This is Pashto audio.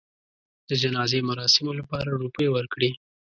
د جنازې مراسمو لپاره روپۍ ورکړې.